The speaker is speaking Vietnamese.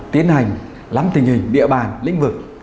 tiến hành lắm tình hình địa bàn lĩnh vực